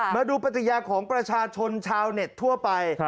มาดูปฏิญาของประชาชนชาวเน็ตทั่วไป